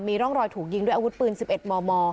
มีร่องรอยถูกยิงด้วยอาวุธปืน๑๑มม